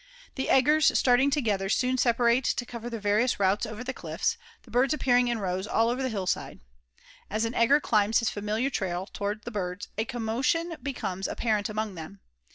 The eggers starting together soon separate to cover their various routes over the cliffs, the birds appearing in rows all over the hill side. "As an egger climbs his familiar trail toward the birds, a commotion becomes apparent among them.